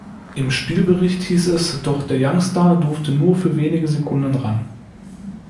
Im Spielbericht hieß es: „Doch der Youngster durfte nur für wenige Sekunden ran.